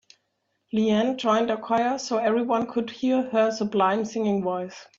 Leanne joined a choir so everyone could hear her sublime singing voice.